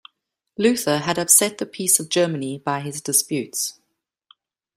Luther had upset the peace of Germany by his disputes.